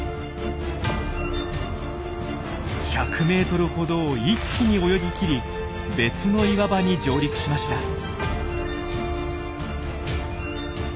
１００メートルほどを一気に泳ぎきり別の岩場に上陸しました。